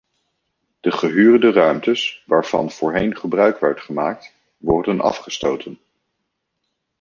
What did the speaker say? De gehuurde ruimtes waarvan voorheen gebruik werd gemaakt, worden afgestoten.